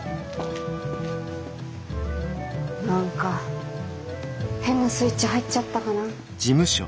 何か変なスイッチ入っちゃったかな。